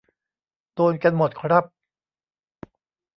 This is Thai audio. โดนกันหมดครับ